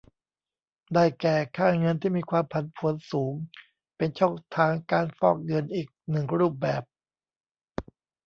ได้แก่ ค่าเงินที่มีความผันผวนสูง เป็นช่องทางการฟอกเงินอีกหนึ่งรูปแบบ